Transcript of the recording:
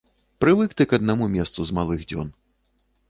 Прывык ты к аднаму месцу з малых дзён.